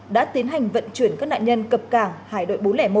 đã tiến hành vận chuyển các nạn nhân cập cảng hải đội bốn trăm linh một